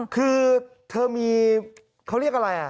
คือเธอมีเขาเรียกอะไร